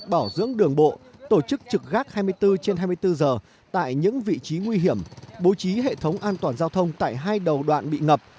bảo dưỡng đường bộ tổ chức trực gác hai mươi bốn trên hai mươi bốn giờ tại những vị trí nguy hiểm bố trí hệ thống an toàn giao thông tại hai đầu đoạn bị ngập